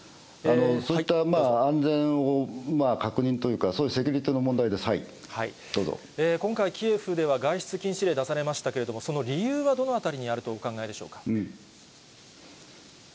そういった安全を確認というか、そういうセキュリティーの問題で今回、キエフでは外出禁止令が出されましたけれども、その理由はどのあたりにあるとお考えでしょうか。